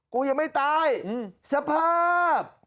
กูยังไม่ตายสภาพ